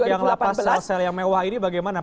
yang lapas sel sel yang mewah ini bagaimana